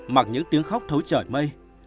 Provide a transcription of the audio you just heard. mặc những tiếng khóc thấu trời mây